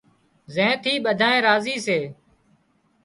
زين ٿي ٻڌانئين راضي سي